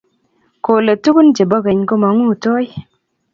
Kole tugun chebo keny komongutoi